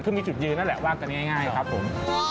คือมีจุดยืนนั่นแหละว่ากันง่ายครับผม